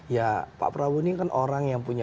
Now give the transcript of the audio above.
ya pak prabowo ini kan orang yang punya